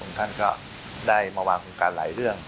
คุณท่านก็ได้มาวางภูมิการหลายเรื่อง